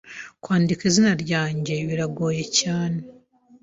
Kwandika izina ryanjye biragoye cyane,